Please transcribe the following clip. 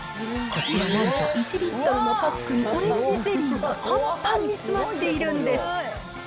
こちらなんと１リットルのパックに、オレンジゼリーがぱんぱんに詰まっているんです。